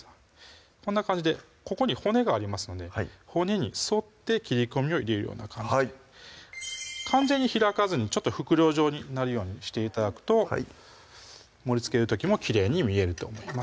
こんな感じでここに骨がありますので骨に沿って切り込みを入れるような感じで完全に開かずにちょっと袋状になるようにして頂くと盛りつける時もきれいに見えると思います